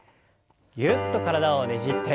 ぎゅっと体をねじって。